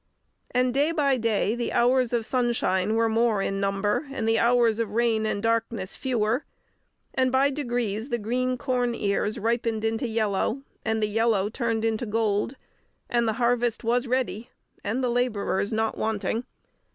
And day by day, the hours of sunshine were more in number, and the hours of rain and darkness fewer, and by degrees the green corn ears ripened into yellow, and the yellow turned into gold, and the harvest was ready, and the labourers not wanting.